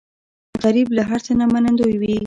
غریب له هر څه نه منندوی وي